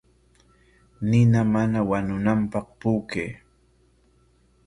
Nina mana wañunanpaq puukay.